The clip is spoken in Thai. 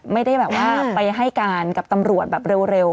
ไม่ได้ไปให้การกับตำรวจเร็ว